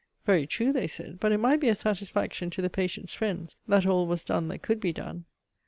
Very true, they said; but it might be a satisfaction to the patient's friends, that all was done that could be done.